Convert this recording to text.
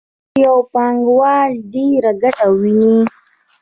کله چې یو پانګوال ډېره ګټه وویني